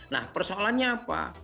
nah persoalannya apa